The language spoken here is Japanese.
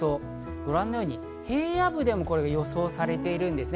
ご覧のように平野部でも予想されているんですね。